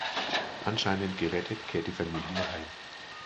Anscheinend gerettet kehrt die Familie heim.